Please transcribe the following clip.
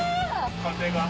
風が！